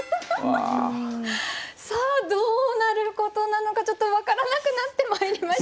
さあどうなることなのかちょっと分からなくなってまいりました。